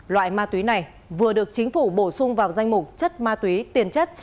loại ma túy này vừa được chính phủ bổ sung vào danh mục chất ma túy tiền chất